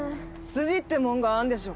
筋ってもんがあんでしょ。